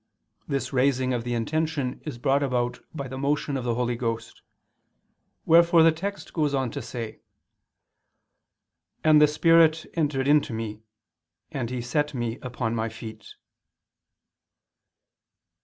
This raising of the intention is brought about by the motion of the Holy Ghost, wherefore the text goes on to say: "And the Spirit entered into me ... and He set me upon my feet."